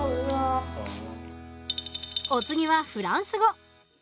お次はフランス語。